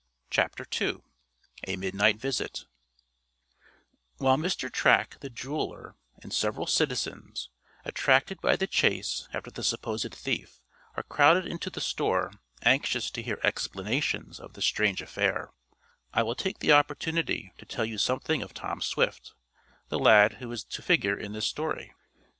CHAPTER II A MIDNIGHT VISIT While Mr. Track, the jeweler, and several citizens, attracted by the chase after the supposed thief, are crowded into the store, anxious to hear explanations of the strange affair, I will take the opportunity to tell you something of Tom Swift, the lad who is to figure in this story.